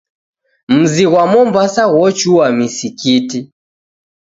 Mzi ghwa Mombasa ghochua misikiti.